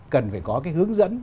cần phải có cái hướng dẫn